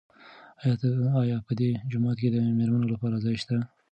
آیا په دې جومات کې د مېرمنو لپاره ځای شته؟